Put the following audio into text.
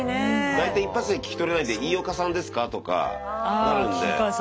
大体一発で聞き取れないんで「いいおかさんですか」とかなるんで。